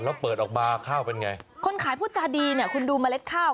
แล้วเปิดออกมาข้าวเป็นไงคนขายพูดจาดีเนี่ยคุณดูเมล็ดข้าว